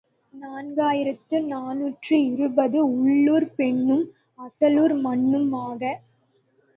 நான்கு ஆயிரத்து நாநூற்று இருபது உள்ளூர்ப் பெண்ணும் அசலூர் மண்ணும் ஆகா.